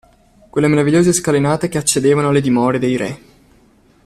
Quelle meravigliose scalinate che accedevano alle dimore dei re…